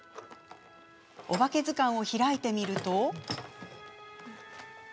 「おばけずかん」を開いてみると。